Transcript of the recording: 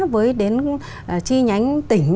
với đến chi nhánh tỉnh